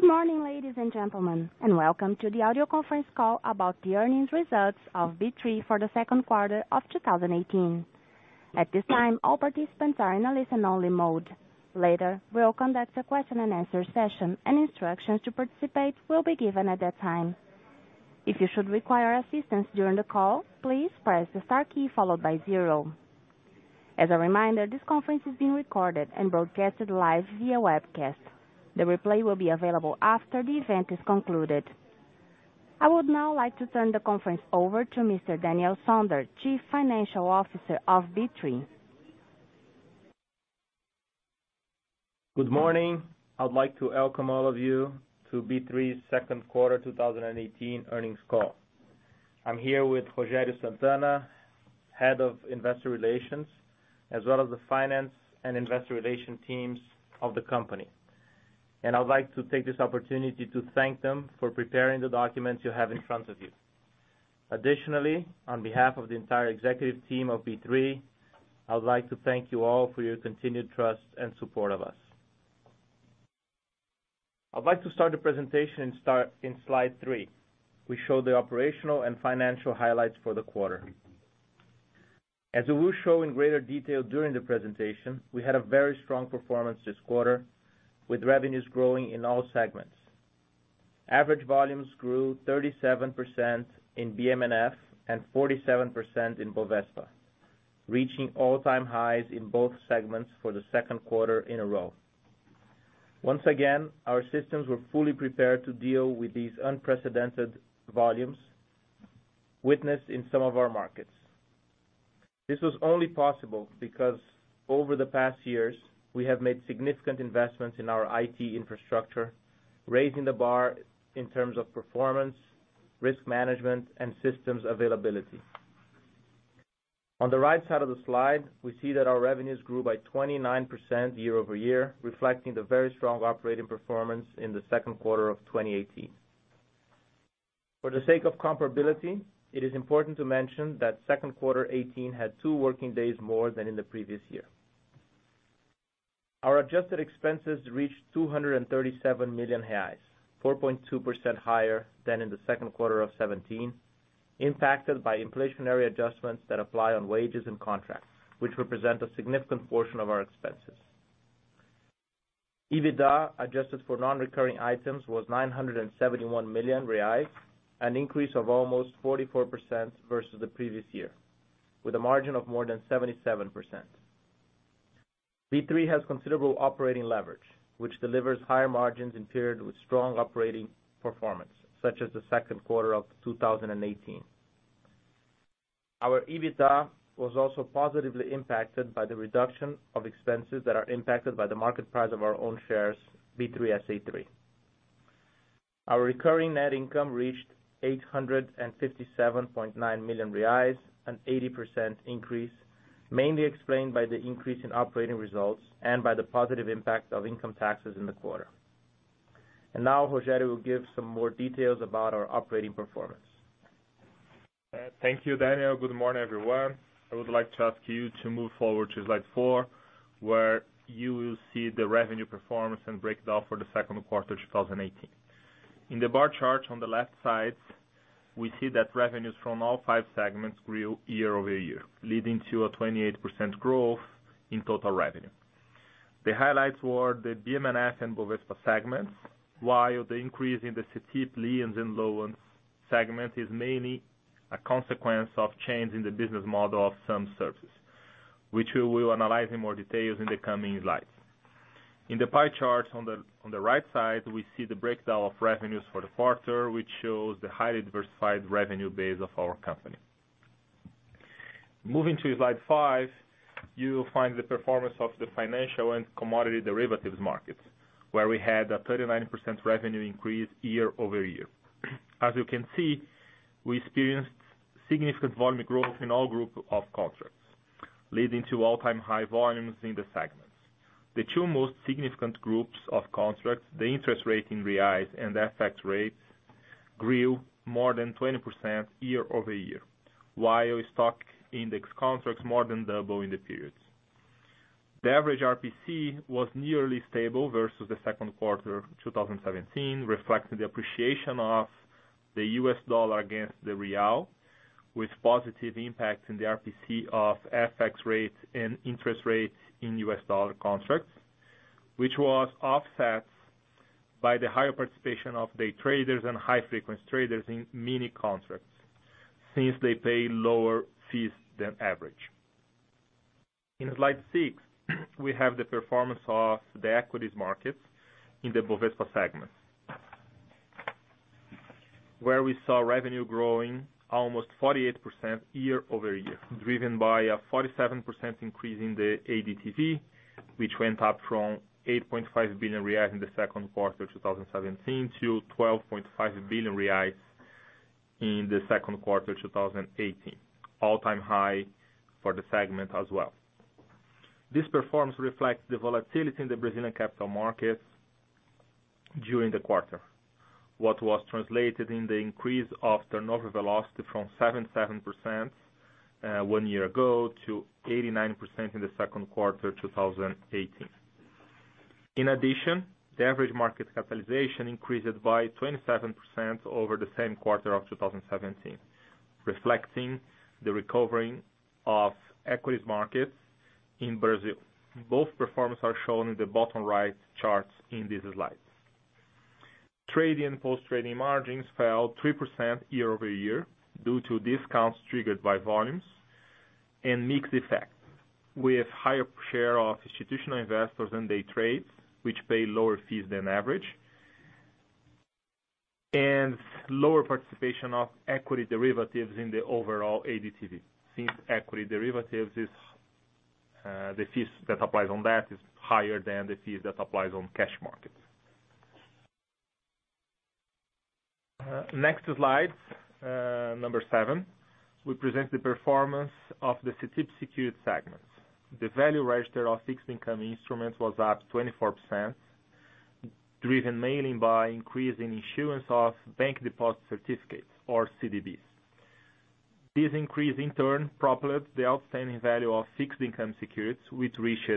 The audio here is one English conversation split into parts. Good morning, ladies and gentlemen. Welcome to the audio conference call about the earnings results of B3 for the second quarter of 2018. At this time, all participants are in a listen-only mode. Later, we will conduct a question-and-answer session, and instructions to participate will be given at that time. If you should require assistance during the call, please press the star key followed by zero. As a reminder, this conference is being recorded and broadcast live via webcast. The replay will be available after the event is concluded. I would now like to turn the conference over to Mr. Daniel Sonder, Chief Financial Officer of B3. Good morning. I would like to welcome all of you to B3's second quarter 2018 earnings call. I am here with Rogério Santana, Head of Investor Relations, as well as the finance and investor relation teams of the company. I would like to take this opportunity to thank them for preparing the documents you have in front of you. Additionally, on behalf of the entire executive team of B3, I would like to thank you all for your continued trust and support of us. I would like to start the presentation on slide 3. We show the operational and financial highlights for the quarter. We will show in greater detail during the presentation, we had a very strong performance this quarter with revenues growing in all segments. Average volumes grew 37% in BM&F and 47% in Bovespa, reaching all-time highs in both segments for the second quarter in a row. Once again, our systems were fully prepared to deal with these unprecedented volumes witnessed in some of our markets. This was only possible because over the past years, we have made significant investments in our IT infrastructure, raising the bar in terms of performance, risk management, and systems availability. On the right side of the slide, we see that our revenues grew by 29% year-over-year, reflecting the very strong operating performance in the second quarter of 2018. For the sake of comparability, it is important to mention that second quarter 2018 had two working days more than in the previous year. Our adjusted expenses reached 237 million reais, 4.2% higher than in the second quarter of 2017, impacted by inflationary adjustments that apply on wages and contracts, which represent a significant portion of our expenses. EBITDA, adjusted for non-recurring items, was 971 million reais, an increase of almost 44% versus the previous year, with a margin of more than 77%. B3 has considerable operating leverage, which delivers higher margins in period with strong operating performance, such as the second quarter of 2018. Our EBITDA was also positively impacted by the reduction of expenses that are impacted by the market price of our own shares, B3SA3. Our recurring net income reached 857.9 million reais, an 80% increase, mainly explained by the increase in operating results and by the positive impact of income taxes in the quarter. Now Rogério will give some more details about our operating performance. Thank you, Daniel. Good morning, everyone. I would like to ask you to move forward to slide four, where you will see the revenue performance and breakdown for the second quarter 2018. In the bar chart on the left side, we see that revenues from all five segments grew year-over-year, leading to a 28% growth in total revenue. The highlights were the BM&F and Bovespa segments, while the increase in the Cetip, Liens and Loans segment is mainly a consequence of change in the business model of some services, which we will analyze in more details in the coming slides. In the pie charts on the right side, we see the breakdown of revenues for the quarter, which shows the highly diversified revenue base of our company. Moving to slide five, you will find the performance of the financial and commodity derivatives markets, where we had a 39% revenue increase year-over-year. As you can see, we experienced significant volume growth in all group of contracts, leading to all-time high volumes in the segments. The two most significant groups of contracts, the interest rate in reais and FX rates, grew more than 20% year-over-year, while stock index contracts more than double in the periods. The average RPC was nearly stable versus the second quarter of 2017, reflecting the appreciation of the US dollar against the real, with positive impact in the RPC of FX rates and interest rates in US dollar contracts, which was offset by the higher participation of day traders and high-frequency traders in mini-contracts since they pay lower fees than average. In slide six, we have the performance of the equities markets in the Bovespa segment, where we saw revenue growing almost 48% year-over-year, driven by a 47% increase in the ADTV, which went up from 8.5 billion reais in the second quarter 2017 to 12.5 billion reais in the second quarter 2018. All-time high for the segment as well. This performance reflects the volatility in the Brazilian capital markets during the quarter, what was translated in the increase of turnover velocity from 77% one year ago to 89% in the second quarter 2018. In addition, the average market capitalization increased by 27% over the same quarter of 2017, reflecting the recovering of equities markets in Brazil. Both performance are shown in the bottom right charts in these slides. Trade and post-trading margins fell 3% year-over-year due to discounts triggered by volumes and mixed effects with higher share of institutional investors and day trades, which pay lower fees than average, and lower participation of equity derivatives in the overall ADTV, since equity derivatives, the fees that applies on that is higher than the fees that applies on cash markets. Next slide, number seven. We present the performance of the Cetip Securities segment. The value register of fixed income instruments was up 24%, driven mainly by increase in issuance of bank deposit certificates or CDBs. This increase, in turn, propelled the outstanding value of fixed income securities, which reached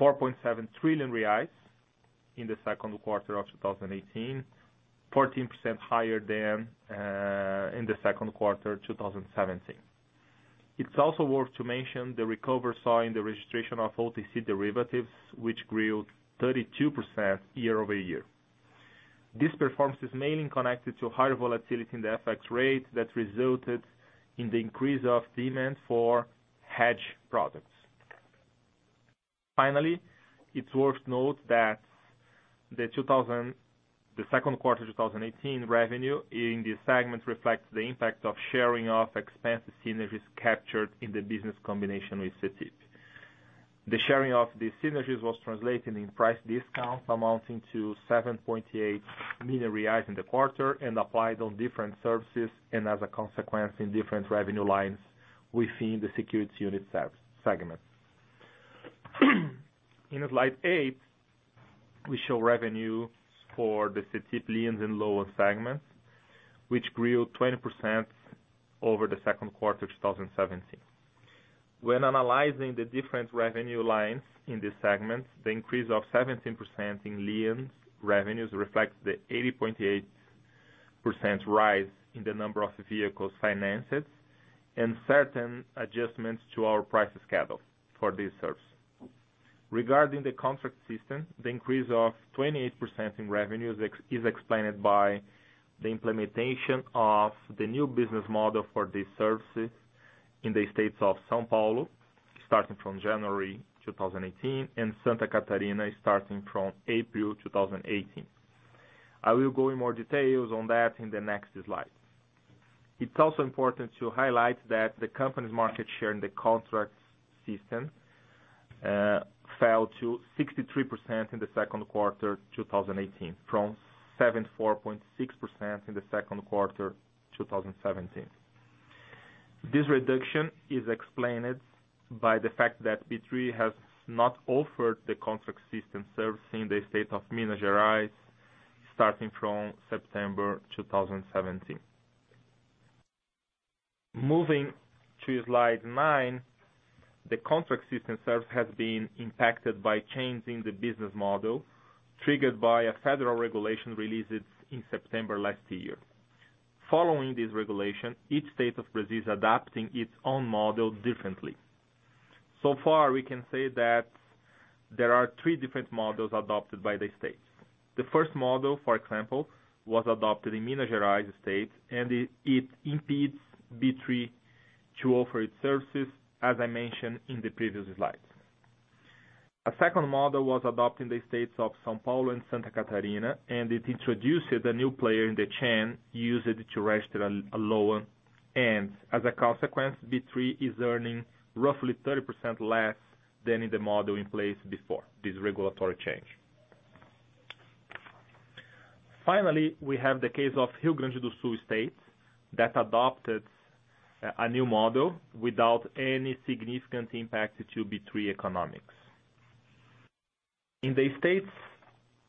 4.7 trillion reais in the second quarter of 2018, 14% higher than in the second quarter 2017. It's also worth to mention the recover saw in the registration of OTC derivatives, which grew 32% year-over-year. This performance is mainly connected to higher volatility in the FX rate that resulted in the increase of demand for hedge products. Finally, it's worth note that the second quarter 2018 revenue in this segment reflects the impact of sharing of expense synergies captured in the business combination with Cetip. The sharing of these synergies was translated in price discounts amounting to 7.8 million reais in the quarter and applied on different services and as a consequence, in different revenue lines within the Securities unit segment. In slide eight, we show revenues for the Cetip Liens and Loans segment, which grew 20% over the second quarter 2017. When analyzing the different revenue lines in this segment, the increase of 17% in liens revenues reflects the 80.8% rise in the number of vehicles financed and certain adjustments to our price schedule for this service. Regarding the Contract system, the increase of 28% in revenues is explained by the implementation of the new business model for these services in the states of São Paulo, starting from January 2018, and Santa Catarina starting from April 2018. I will go in more details on that in the next slide. It's also important to highlight that the company's market share in the Contracts system fell to 63% in the second quarter 2018 from 74.6% in the second quarter 2017. This reduction is explained by the fact that B3 has not offered the Contract system service in the state of Minas Gerais starting from September 2017. Moving to slide nine, the Contract system service has been impacted by changing the business model triggered by a federal regulation released in September last year. So far, we can say that there are three different models adopted by the states. The first model, for example, was adopted in Minas Gerais state and it impedes B3 to offer its services, as I mentioned in the previous slides. A second model was adopted in the states of São Paulo and Santa Catarina, and it introduces a new player in the chain used to register a loan, and as a consequence, B3 is earning roughly 30% less than in the model in place before this regulatory change. Finally, we have the case of Rio Grande do Sul state that adopted a new model without any significant impact to B3 economics. In the states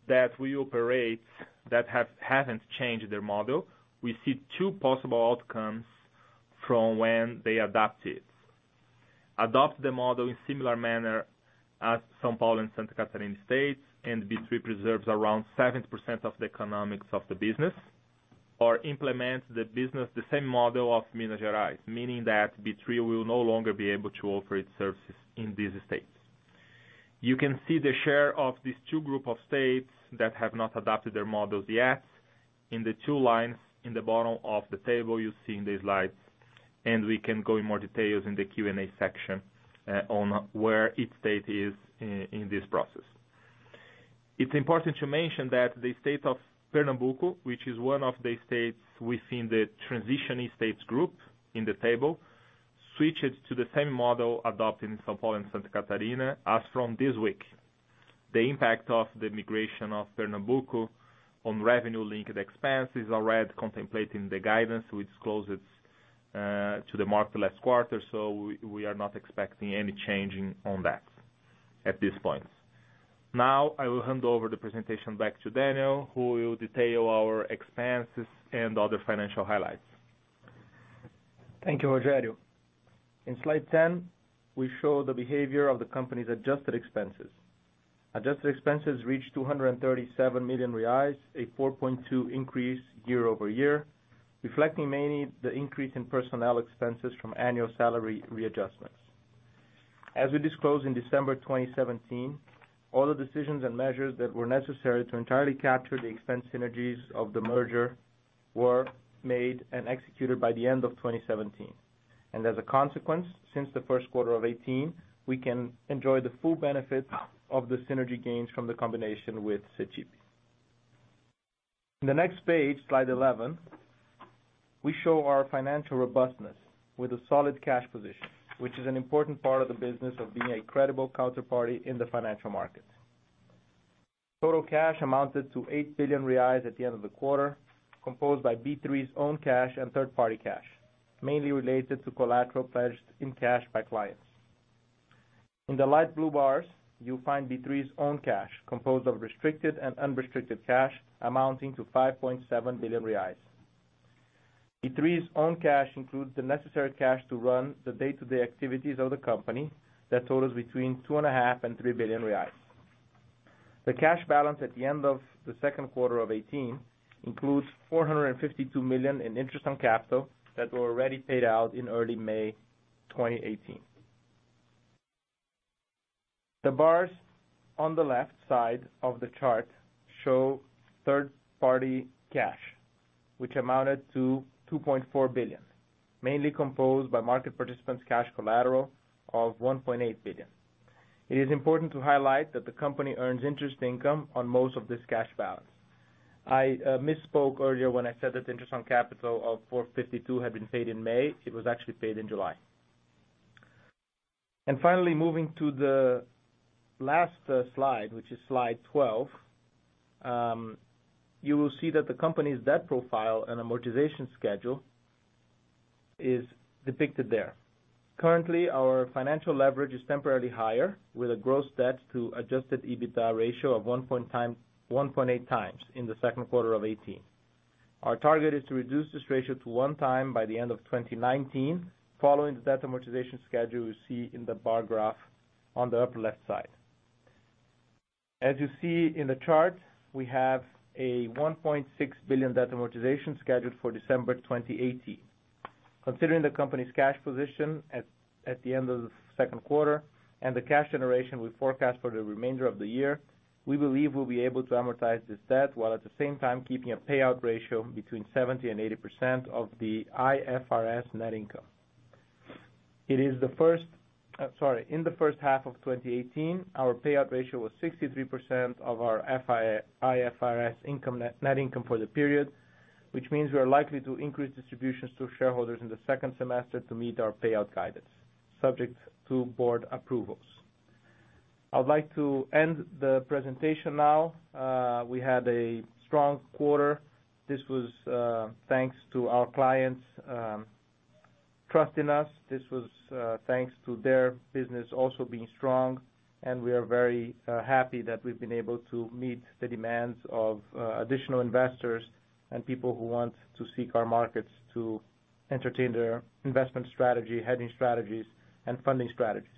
that we operate that haven't changed their model, we see two possible outcomes from when they adopt it. Adopt the model in similar manner as São Paulo and Santa Catarina states and B3 preserves around 70% of the economics of the business, or implement the business the same model of Minas Gerais, meaning that B3 will no longer be able to offer its services in these states. You can see the share of these two group of states that have not adopted their models yet in the two lines in the bottom of the table you see in this slide, and we can go in more details in the Q&A section on where each state is in this process. It's important to mention that the state of Pernambuco, which is one of the states within the transitioning states group in the table, switched to the same model adopted in São Paulo and Santa Catarina as from this week. The impact of the migration of Pernambuco on revenue linked expenses already contemplating the guidance we disclosed to the market last quarter. We are not expecting any changing on that at this point. I will hand over the presentation back to Daniel, who will detail our expenses and other financial highlights. Thank you, Rogério. In slide 10, we show the behavior of the company's adjusted expenses. Adjusted expenses reached 237 million reais, a 4.2% increase year-over-year, reflecting mainly the increase in personnel expenses from annual salary readjustments. As we disclosed in December 2017, all the decisions and measures that were necessary to entirely capture the expense synergies of the merger were made and executed by the end of 2017. As a consequence, since the first quarter of 2018, we can enjoy the full benefits of the synergy gains from the combination with Cetip. In the next page, slide 11, we show our financial robustness with a solid cash position, which is an important part of the business of being a credible counterparty in the financial market. Total cash amounted to 8 billion reais at the end of the quarter, composed by B3's own cash and third-party cash, mainly related to collateral pledged in cash by clients. In the light blue bars, you will find B3's own cash, composed of restricted and unrestricted cash amounting to 5.7 billion reais. B3's own cash includes the necessary cash to run the day-to-day activities of the company that totals between 2.5 billion and 3 billion reais. The cash balance at the end of the second quarter of 2018 includes 452 million in interest on capital that were already paid out in early May 2018. The bars on the left side of the chart show third-party cash, which amounted to BRL 2.4 billion, mainly composed by market participants' cash collateral of BRL 1.8 billion. It is important to highlight that the company earns interest income on most of this cash balance. I misspoke earlier when I said that interest on capital of 452 million had been paid in May, it was actually paid in July. Finally, moving to the last slide, which is slide 12, you will see that the company's debt profile and amortization schedule is depicted there. Currently, our financial leverage is temporarily higher with a gross debt to adjusted EBITDA ratio of 1.8 times in the second quarter of 2018. Our target is to reduce this ratio to one time by the end of 2019, following the debt amortization schedule you see in the bar graph on the upper left side. As you see in the chart, we have a 1.6 billion debt amortization scheduled for December 2018. Considering the company's cash position at the end of the second quarter and the cash generation we forecast for the remainder of the year, we believe we'll be able to amortize this debt, while at the same time keeping a payout ratio between 70% and 80% of the IFRS net income. In the first half of 2018, our payout ratio was 63% of our IFRS net income for the period, which means we are likely to increase distributions to shareholders in the second semester to meet our payout guidance subject to board approvals. I would like to end the presentation now. We had a strong quarter. This was thanks to our clients trusting us. This was thanks to their business also being strong. We are very happy that we've been able to meet the demands of additional investors and people who want to seek our markets to entertain their investment strategy, hedging strategies, and funding strategies.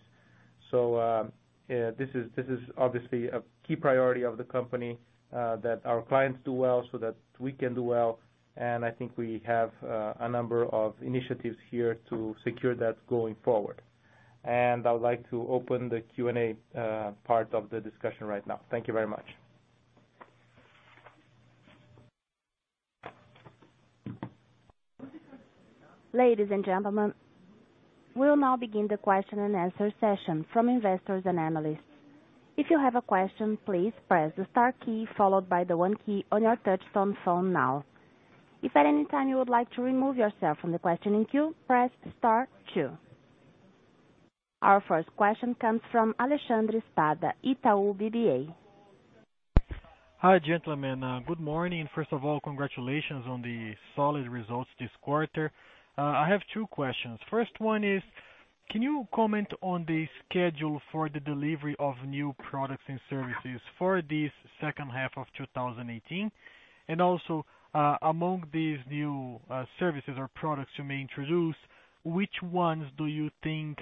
This is obviously a key priority of the company, that our clients do well so that we can do well. I think we have a number of initiatives here to secure that going forward. I would like to open the Q&A part of the discussion right now. Thank you very much. Ladies and gentlemen, we'll now begin the question and answer session from investors and analysts. If you have a question, please press the star key followed by the one key on your touchtone phone now. If at any time you would like to remove yourself from the questioning queue, press star two. Our first question comes from Alexandre Spada, Itaú BBA. Hi, gentlemen. Good morning. First of all, congratulations on the solid results this quarter. I have two questions. First one is, can you comment on the schedule for the delivery of new products and services for this second half of 2018? Also, among these new services or products you may introduce, which ones do you think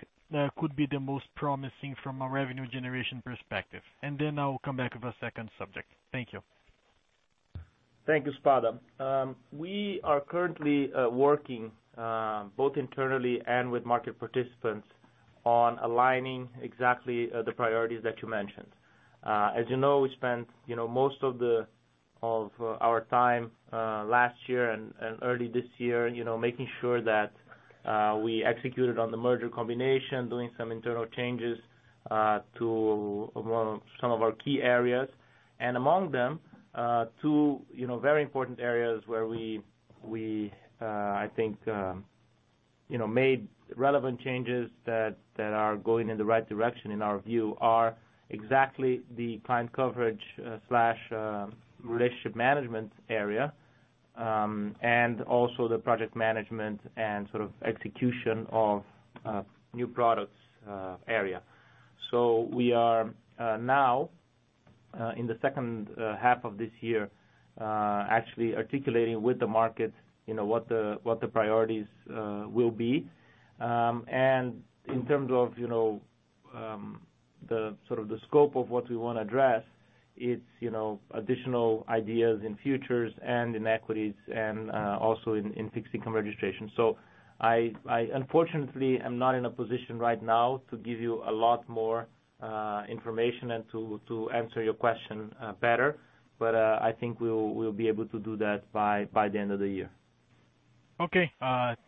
could be the most promising from a revenue generation perspective? Then I will come back with a second subject. Thank you. Thank you, Spada. We are currently working both internally and with market participants on aligning exactly the priorities that you mentioned. As you know, we spent most of our time last year and early this year, making sure that we executed on the merger combination, doing some internal changes to some of our key areas. Among them, two very important areas where we, I think made relevant changes that are going in the right direction in our view are exactly the client coverage/relationship management area, and also the project management and sort of execution of new products area. We are now, in the second half of this year, actually articulating with the market what the priorities will be. In terms of the scope of what we want to address, it's additional ideas in futures and in equities and also in fixed income registration. I unfortunately am not in a position right now to give you a lot more information and to answer your question better. I think we'll be able to do that by the end of the year. Okay.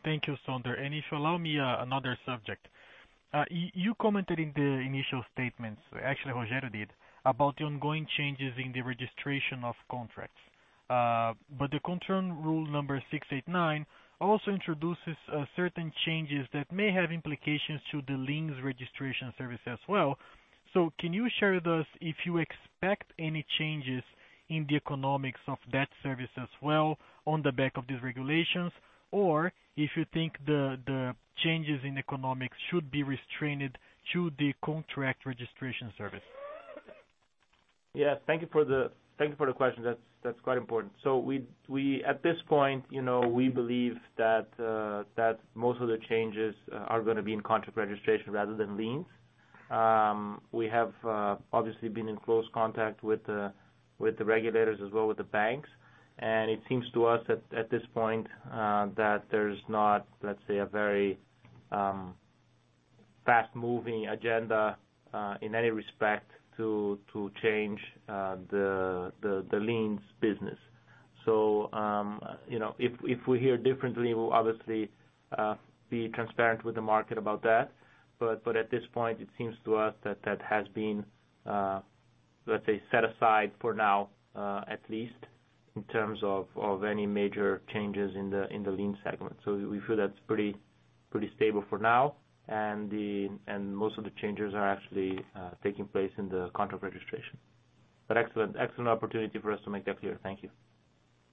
Thank you, Sonder. If you allow me another subject. You commented in the initial statements, actually Rogério did, about the ongoing changes in the registration of contracts. The CONTRAN rule number 689 also introduces certain changes that may have implications to the liens registration service as well. Can you share with us if you expect any changes in the economics of that service as well on the back of these regulations? If you think the changes in economics should be restrained to the contract registration service? Yeah, thank you for the question. That's quite important. At this point, we believe that most of the changes are going to be in contract registration rather than liens. We have obviously been in close contact with the regulators as well with the banks, and it seems to us at this point that there's not, let's say, a very fast-moving agenda in any respect to change the liens business. If we hear differently, we'll obviously be transparent with the market about that. At this point, it seems to us that has been, let's say, set aside for now at least in terms of any major changes in the lien segment. We feel that's pretty stable for now, and most of the changes are actually taking place in the contract registration. Excellent opportunity for us to make that clear. Thank you.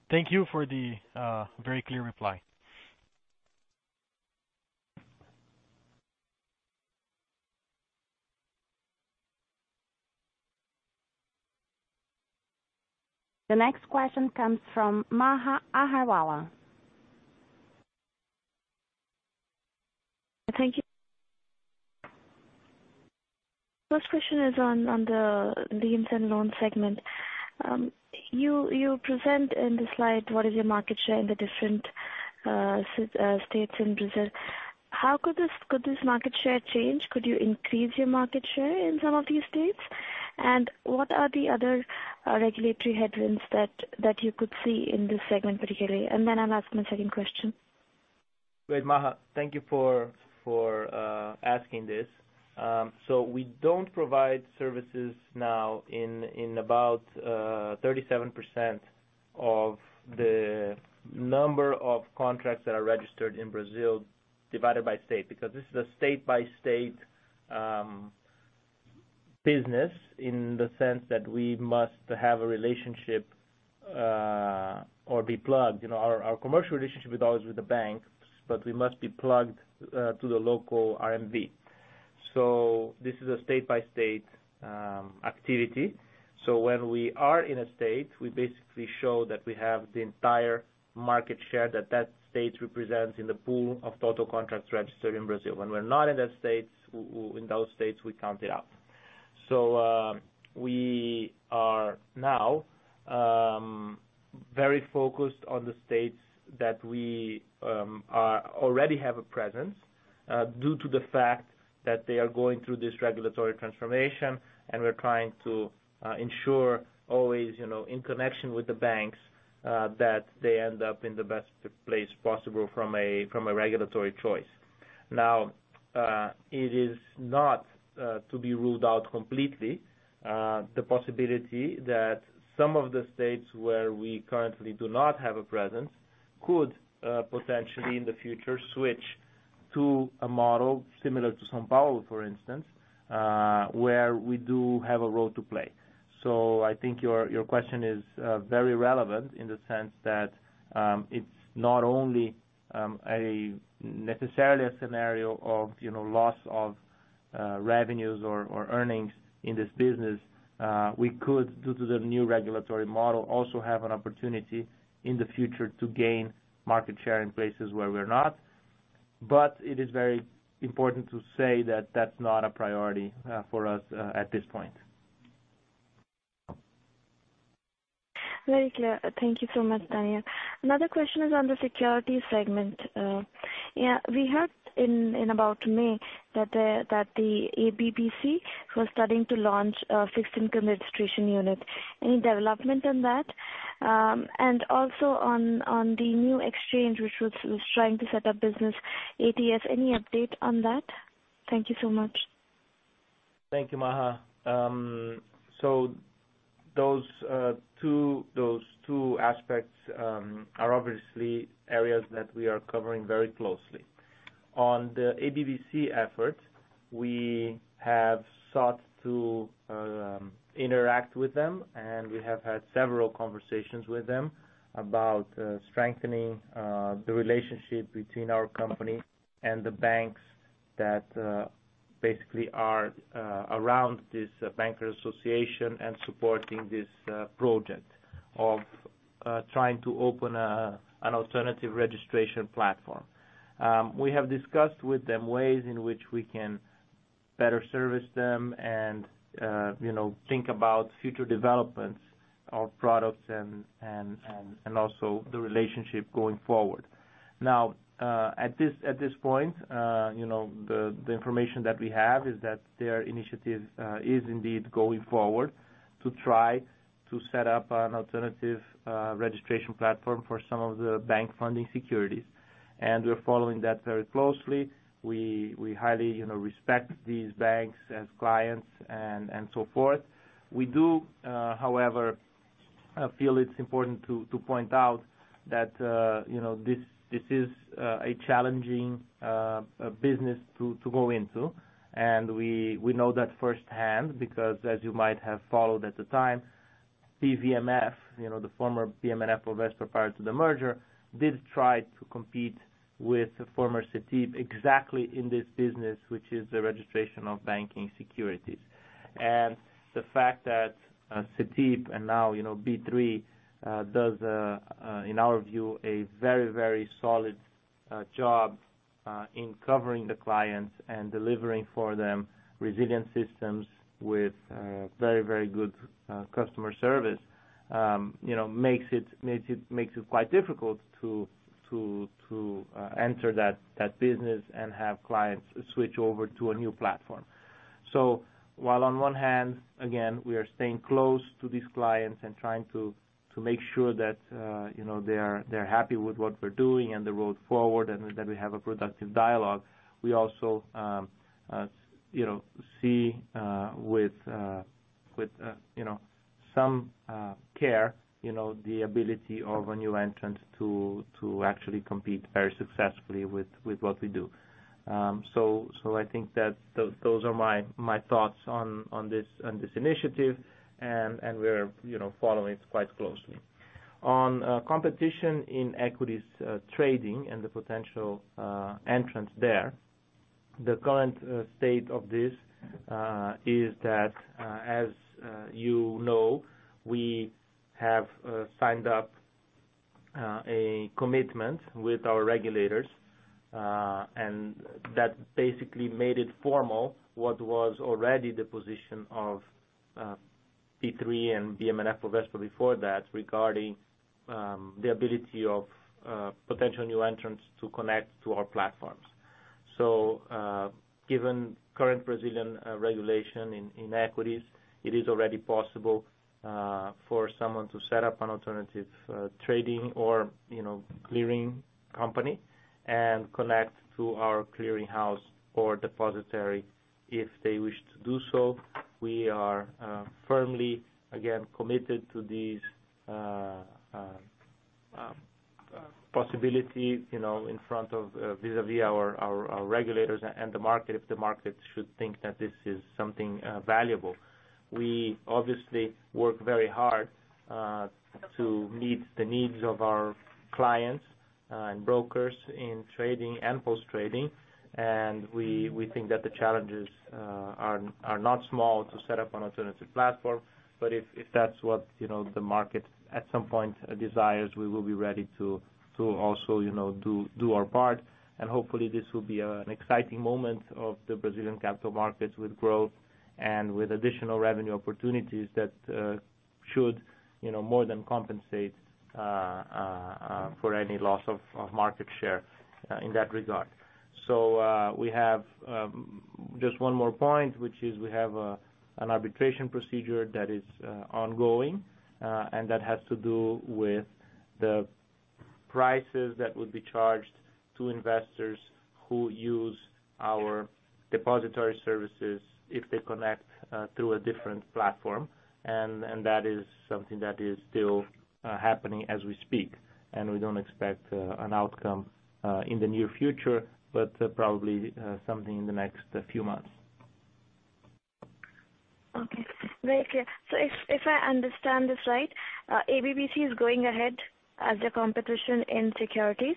Thank you for the very clear reply. The next question comes from Neha Agarwalla. Thank you. First question is on the liens and loans segment. You present in the slide what is your market share in the different states in Brazil. Could this market share change? Could you increase your market share in some of these states? What are the other regulatory headwinds that you could see in this segment particularly? Then I'll ask my second question. Great, Neha. Thank you for asking this. We don't provide services now in about 37% of the number of contracts that are registered in Brazil divided by state, because this is a state-by-state business in the sense that we must have a relationship or be plugged. Our commercial relationship is always with the banks, but we must be plugged to the local RMV. This is a state-by-state activity. When we are in a state, we basically show that we have the entire market share that state represents in the pool of total contracts registered in Brazil. When we're not in those states, we count it out. We are now very focused on the states that we already have a presence due to the fact that they are going through this regulatory transformation, and we're trying to ensure always, in connection with the banks, that they end up in the best place possible from a regulatory choice. Now, it is not to be ruled out completely the possibility that some of the states where we currently do not have a presence could potentially, in the future, switch to a model similar to São Paulo, for instance, where we do have a role to play. I think your question is very relevant in the sense that it's not only necessarily a scenario of loss of revenues or earnings in this business. We could, due to the new regulatory model, also have an opportunity in the future to gain market share in places where we're not. It is very important to say that that's not a priority for us at this point. Very clear. Thank you so much, Daniel. Another question is on the securities segment. We heard in about May that the ABBC was starting to launch a fixed income registration unit. Any development on that? Also on the new exchange, which was trying to set up business, ATS. Any update on that? Thank you so much. Thank you, Neha. Those two aspects are obviously areas that we are covering very closely. On the ABBC effort, we have sought to interact with them, and we have had several conversations with them about strengthening the relationship between our company and the banks that basically are around this bankers association and supporting this project of trying to open an alternative registration platform. We have discussed with them ways in which we can better service them and think about future developments of products and also the relationship going forward. Now, at this point, the information that we have is that their initiative is indeed going forward to try to set up an alternative registration platform for some of the bank-funding securities. We're following that very closely. We highly respect these banks as clients and so forth. We do, however, feel it's important to point out that this is a challenging business to go into. We know that firsthand because as you might have followed at the time, BM&FBOVESPA, the former BM&FBOVESPA prior to the merger, did try to compete with the former Cetip exactly in this business, which is the registration of banking securities. The fact that Cetip and now B3 does, in our view, a very solid job in covering the clients and delivering for them resilient systems with very good customer service makes it quite difficult to enter that business and have clients switch over to a new platform. While on one hand, again, we are staying close to these clients and trying to make sure that they're happy with what we're doing and the road forward and that we have a productive dialogue. We also see with some care the ability of a new entrant to actually compete very successfully with what we do. I think that those are my thoughts on this initiative and we're following it quite closely. On competition in equities trading and the potential entrants there, the current state of this is that, as you know, we have signed up a commitment with our regulators, that basically made it formal what was already the position of B3 and BM&FBOVESPA before that, regarding the ability of potential new entrants to connect to our platforms. Given current Brazilian regulation in equities, it is already possible for someone to set up an alternative trading or clearing company and connect to our clearing house or depository if they wish to do so. We are firmly, again, committed to these possibilities vis-a-vis our regulators and the market, if the market should think that this is something valuable. We obviously work very hard to meet the needs of our clients and brokers in trading and post-trading, we think that the challenges are not small to set up an alternative platform. If that's what the market at some point desires, we will be ready to also do our part, hopefully this will be an exciting moment of the Brazilian capital markets with growth and with additional revenue opportunities that should more than compensate for any loss of market share in that regard. We have just one more point, which is we have an arbitration procedure that is ongoing, that has to do with the prices that would be charged to investors who use our depository services if they connect through a different platform. That is something that is still happening as we speak, we don't expect an outcome in the near future, but probably something in the next few months. Okay. Very clear. If I understand this right, ABBC is going ahead as a competition in securities.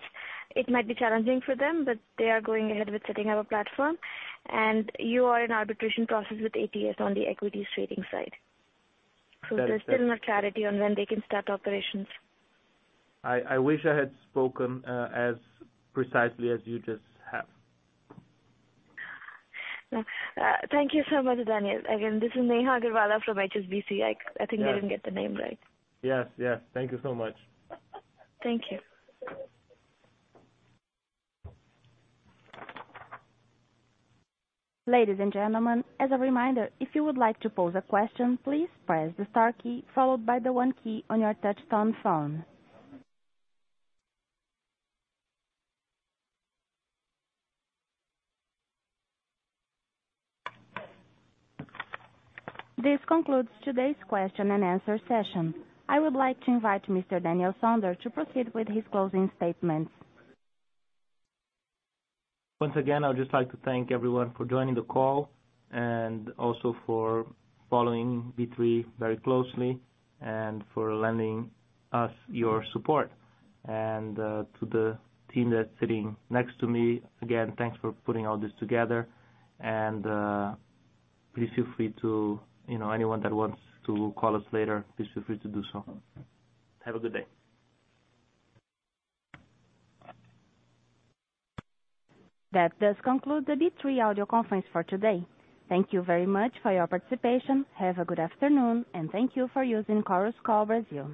It might be challenging for them, but they are going ahead with setting up a platform, and you are in arbitration process with ATS on the equities trading side. That is- There's still no clarity on when they can start operations. I wish I had spoken as precisely as you just have. No. Thank you so much, Daniel. Again, this is Neha Agarwalla from HSBC. I think I didn't get the name right. Yes. Thank you so much. Thank you. Ladies and gentlemen, as a reminder, if you would like to pose a question, please press the star key followed by the one key on your touchtone phone. This concludes today's question and answer session. I would like to invite Mr. Daniel Sonder to proceed with his closing statements. Once again, I would just like to thank everyone for joining the call and also for following B3 very closely and for lending us your support. To the team that's sitting next to me, again, thanks for putting all this together. Please feel free to anyone that wants to call us later, please feel free to do so. Have a good day. That does conclude the B3 audio conference for today. Thank you very much for your participation. Have a good afternoon and thank you for using Chorus Call Brazil.